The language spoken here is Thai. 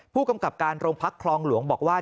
ผู้กำกับการโรงพักคลองหลวงบอกว่า